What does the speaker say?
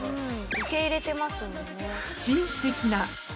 受け入れてますもんね。